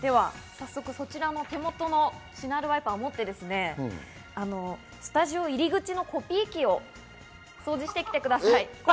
手元のシナールワイパーを持ってスタジオ入り口のコピー機を掃除してきてください。